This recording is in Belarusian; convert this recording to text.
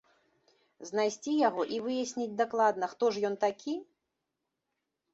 Знайсці яго і выясніць дакладна, хто ж ён такі?!